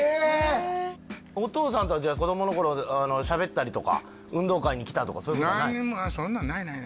お父さんとはじゃあ子どもの頃しゃべったりとか運動会に来たとかそういうことはない？